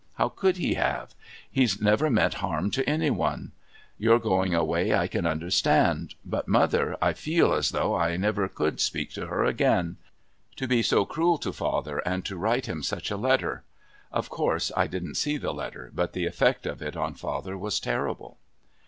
How could he have? He's never meant harm to any one. Your going away I can understand, but mother, I feel as though I never could speak to her again. To be so cruel to father and to write him such a letter! (Of course I didn't see the letter, but the effect of it on father was terrible.)